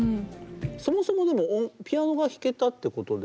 そもそもでもピアノが弾けたってことですか？